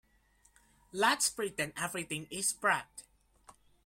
Let's pretend everything is prepped.